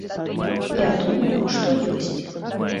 Я думаю, што ёсць.